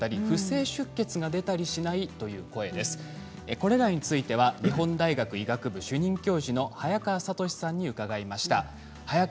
これらについて日本大学医学部主任教授の早川智さんに伺いました。